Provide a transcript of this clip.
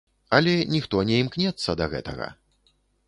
Але ніхто не імкнецца да гэтага!